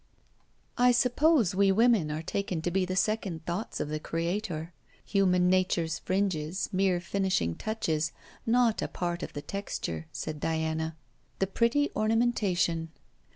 'I suppose we women are taken to be the second thoughts of the Creator; human nature's fringes, mere finishing touches, not a part of the texture,' said Diana; 'the pretty ornamentation.